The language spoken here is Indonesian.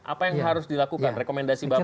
apa yang harus dilakukan rekomendasi bapak